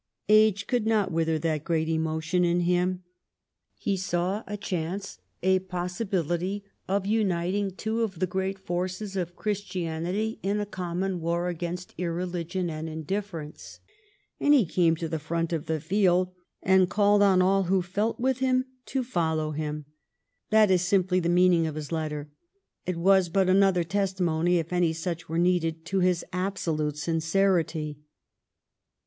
Age could not wither that great emotion in him. He saw a chance, a possibility, of uniting two of the great forces of Christianity in a common war against irreligion and indifference, and he came to the front of the field and called on all who felt with a phou^caph by Elliot! ft Try, London) PENULTIMATE 423 him to follow him. That is simply the meaning of his letter. It was but another testimony, if any such were needed, to his absolute sincerity.